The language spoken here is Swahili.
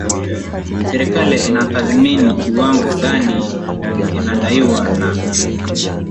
serikali inatathmini kiwango gani kinadaiwa na